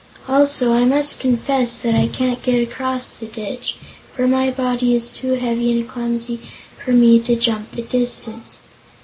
Also I must confess that I can't get across the ditch, for my body is too heavy and clumsy for me to jump the distance.